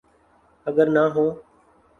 اگر نہ ہوں۔